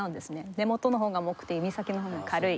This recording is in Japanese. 根元の方が重くて弓先の方が軽い。